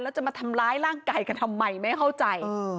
แล้วจะมาทำร้ายร่างกายกันทำไมไม่เข้าใจ